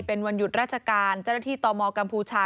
เป็นวันหยุดราชการเจ้าหน้าที่ตมกัมพูชา